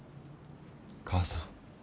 母さん。